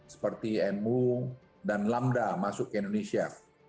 seperti emu dan lambda masuk ke indonesia